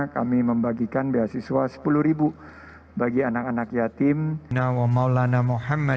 kami membagikan beasiswa rp sepuluh bagi anak anak yatim